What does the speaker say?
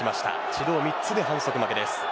指導３つで反則負けです。